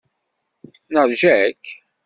Neṛja-k.